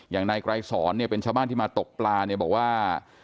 อย่างในไกรสรเป็นชาวบ้านที่มาตกปลาบอกว่า